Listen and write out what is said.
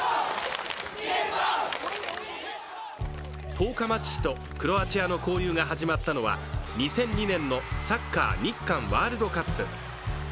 十日町市とクロアチアの交流が始まったのは２００２年のサッカー日韓ワールドカップ。